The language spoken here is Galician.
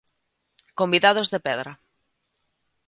Convidados de Pedra.